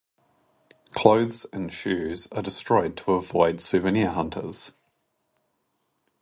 Clothes and shoes are destroyed to avoid souvenir hunters.